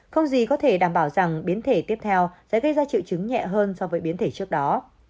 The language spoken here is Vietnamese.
không gì có thể đảm bảo rằng biến thể tiếp theo sẽ gây ra triệu chứng nhẹ hơn so với biến thể trước đó